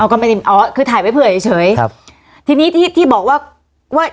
ก็ไม่ได้อ๋อคือถ่ายไว้เผื่อเฉยเฉยครับทีนี้ที่ที่บอกว่าว่า